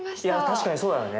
確かにそうだよね。